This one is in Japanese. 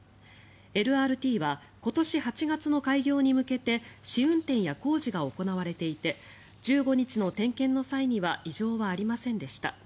ＬＲＴは今年８月の開業に向けて試運転や工事が行われていて１５日の点検の際には異常はありませんでした。